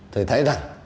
thì thấy rằng